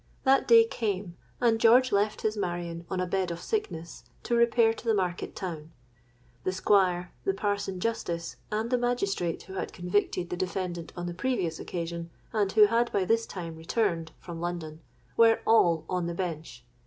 That day came; and George left his Marion on a bed of sickness, to repair to the market town. The Squire, the parson justice, and the magistrate who had convicted the defendant on the previous occasion, and who had by this time returned from London, were all on the bench.